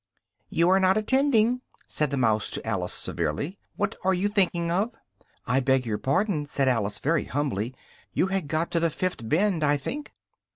"You are not attending!" said the mouse to Alice severely, "what are you thinking of?" "I beg your pardon," said Alice very humbly, "you had got to the fifth bend, I think?"